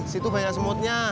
situ banyak semutnya